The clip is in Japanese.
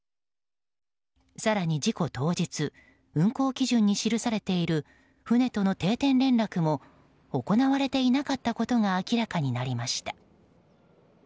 更に事故当日運航基準に記されている船との定点連絡も行われていなかったことが明らかになりました。